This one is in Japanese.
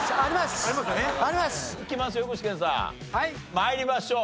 参りましょう。